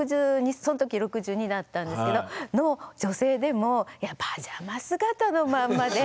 その時６２だったんですけどの女性でもいやパジャマ姿のまんまで。